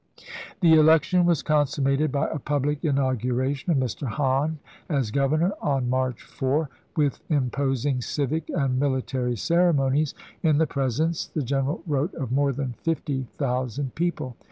The election was consummated by a public inauguration of Mr. Hahn as governor on March 4, with imposing civic and military ceremonies, " in the presence," the general wrote, " of more than fifty thousand people.